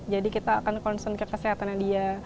jadi kita akan concern ke kesehatan dia